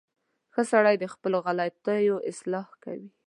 • ښه سړی د خپلو غلطیو اصلاح کوي.